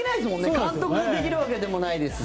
監督ができるわけでもないですし。